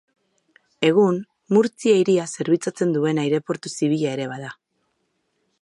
Egun, Murtzia hiria zerbitzatzen duen aireportu zibila ere bada.